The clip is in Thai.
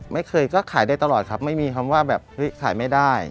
ไม่เคยก็ขายได้ตลอดครับไม่มีคำว่าแบบเฮ้ยขายไม่ได้